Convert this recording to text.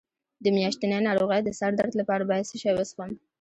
د میاشتنۍ ناروغۍ د سر درد لپاره باید څه شی وڅښم؟